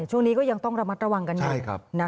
ช่วงนี้ก็ยังต้องระมัดระวังกันอยู่